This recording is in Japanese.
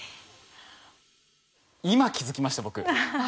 今気づきました僕。